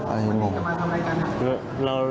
อันนี้จะมาทำอะไรกัน